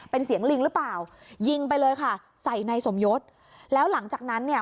เป็นเสียงลิงหรือเปล่ายิงไปเลยค่ะใส่นายสมยศแล้วหลังจากนั้นเนี่ย